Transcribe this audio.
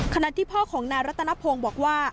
ขณะที่พ่อของนายรัตนพงศ์บอกว่า